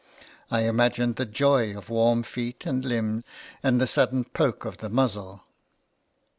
I imagined the joy of warm feet and limb, and the sudden poke of the muzzle.